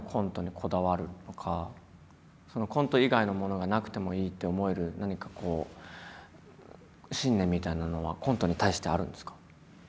コント以外のものがなくてもいいって思える何かこう信念みたいなのはコントに対してあるんですか？